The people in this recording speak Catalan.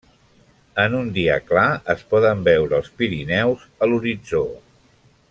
En un dia clar es poden veure els Pirineus a l’horitzó.